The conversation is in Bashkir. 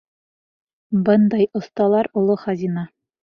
Бындай оҫталар — оло хазина.